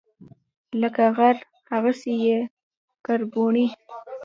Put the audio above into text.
لکه غر، هغسي یې کربوڼی